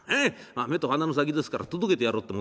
目と鼻の先ですから届けてやろうと思ってね